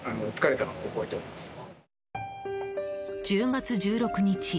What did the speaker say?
１０月１６日。